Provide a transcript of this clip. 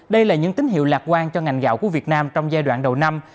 đây là những tín hiệu lạc quan cho ngành gạo của việt nam trong giai đoạn đầu năm